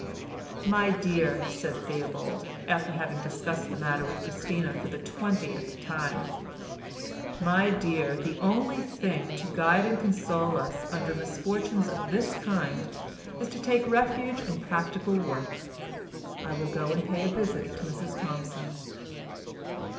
"My dear," said Theobald, after having discussed the matter with Christina for the twentieth time, "my dear, the only thing to guide and console us under misfortunes of this kind is to take refuge in practical work. I will go and pay a visit to Mrs Thompson."